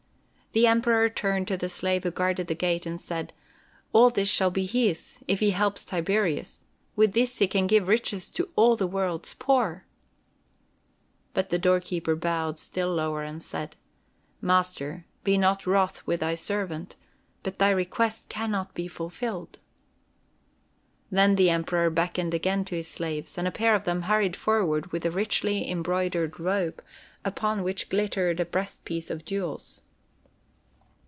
The Emperor turned to the slave who guarded the gate, and said: "All this shall be his, if he helps Tiberius. With this he can give riches to all the world's poor." But the doorkeeper bowed still lower and said: "Master, be not wroth with thy servant, but thy request can not be fulfilled." Then the Emperor beckoned again to his slaves, and a pair of them hurried forward with a richly embroidered robe, upon which glittered a breastpiece of jewels.